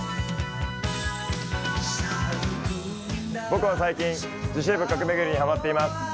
僕は最近、神社仏閣巡りにハマっています。